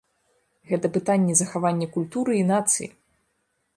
Гэта пытанне захавання культуры і нацыі.